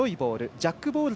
ジャックボール